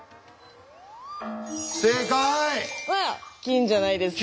金じゃないですか。